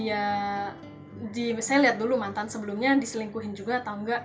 tergantung kalau misalnya dia saya lihat dulu mantan sebelumnya diselingkuhin juga atau nggak